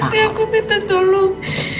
mbak andien aku minta tolong